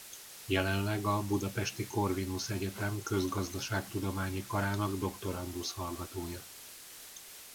Jelenleg a Budapesti Corvinus Egyetem Közgazdaságtudományi karának doktorandusz hallgatója.